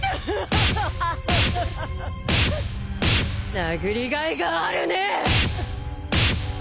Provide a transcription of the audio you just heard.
殴りがいがあるねぇ！